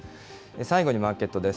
最後にマーケットです。